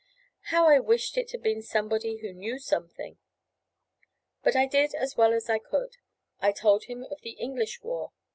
How I wished it had been somebody who knew something! But I did as well as I could. I told him of the English war.